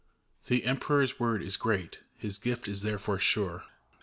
The Emperor's word is great, his gift is therefore sure.